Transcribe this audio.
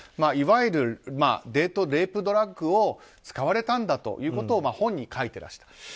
いわゆるデートレイプドラッグを使われたんだということを本に書いてらしたと。